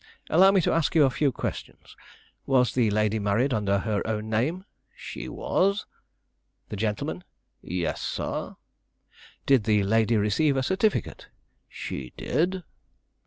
"Allow me to ask you a few questions. Was the lady married under her own name?" "She was." "The gentleman?" "Yes, sir." "Did the lady receive a certificate?" "She did."